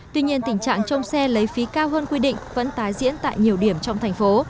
tuy nhiên tình trạng trông xe lấy phí cao hơn quy định vẫn tái diễn tại nhiều điểm trong thành phố